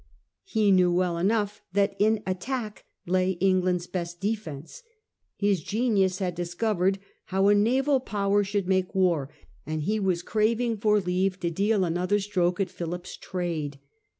He knew well enough that in attack lay England's best defence. His genius had discovered how a naval power should make war, and he was craving for leave to deal another stroke at Philip's trade.